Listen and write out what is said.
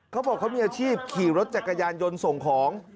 เขาบอกเขามีอาชีพขี่รถจักรยานยนต์ส่งของ